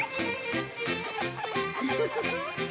フフフフ。